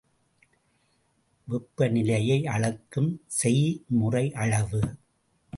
வெப்பநிலையை அளக்கும் செய்முறையளவு.